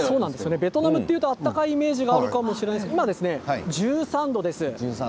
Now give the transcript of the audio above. ベトナムというと暖かいイメージがあるかもしれませんが今１３度です。